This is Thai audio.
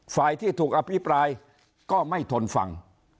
ฝ่ายที่ถูกอภิปรายก็ไม่ทนฟัง